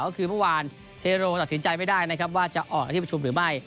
ก็คือเมื่อวานเทโรตัดสินใจไม่ได้นะครับว่าจะออกในที่ประชุมหรือไม่